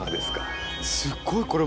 すごい。